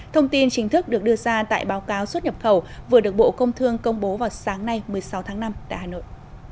thông tin chính thức được đưa ra tại báo cáo xuất nhập khẩu vừa được bộ công thương công bố vào sáng nay một mươi sáu tháng năm tại hà nội